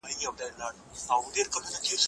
زه بايد سبزیجات وچوم،